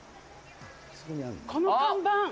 あの、看板。